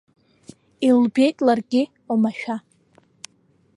Илбеит ларгьы омашәа.